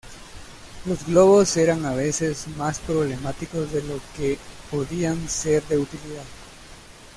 Los globos eran a veces más problemáticos de lo que podían ser de utilidad.